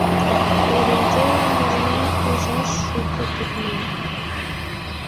Левентейлан нужна ужаш шуко тӱкнен...